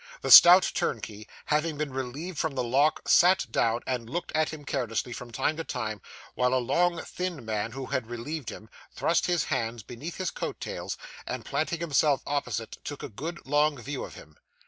The stout turnkey having been relieved from the lock, sat down, and looked at him carelessly, from time to time, while a long thin man who had relieved him, thrust his hands beneath his coat tails, and planting himself opposite, took a good long view of him.